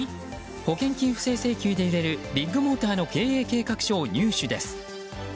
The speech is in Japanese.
保険金不正請求で揺れるビッグモーターの経営計画書を入手です。